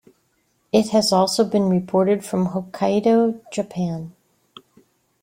It has also been reported from Hokkaido, Japan.